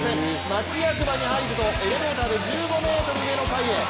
町役場に入るとエレベーターで１５ｍ上の階へ。